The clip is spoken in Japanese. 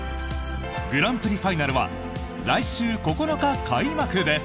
グランプリファイナルは来週９日開幕です。